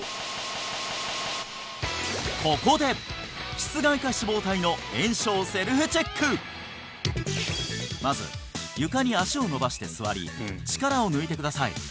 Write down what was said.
ここでまず床に脚を伸ばして座り力を抜いてください